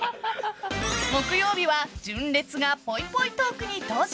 木曜日は、純烈がぽいぽいトークに登場。